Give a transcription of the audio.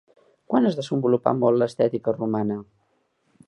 Quan es desenvolupà molt l'estètica romana?